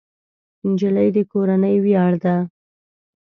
نجلۍ د کورنۍ ویاړ ده.